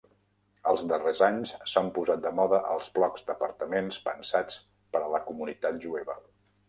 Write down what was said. Els darrers anys s'han posat de moda els blocs d'apartaments pensats per a la comunitat jueva.